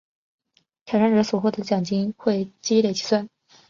挑战者所得的奖金会累积计算。